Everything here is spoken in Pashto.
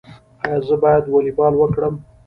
ایا زه باید والیبال وکړم؟